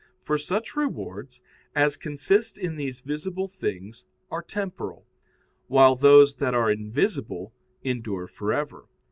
For such rewards, as consist in these visible things, are temporal; while those that are invisible endure for ever.